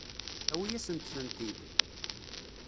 Awi-asent-tent-id.